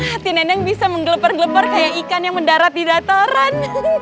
hati nenek bisa menggelepar gelepar kayak ikan yang mendarat di dataran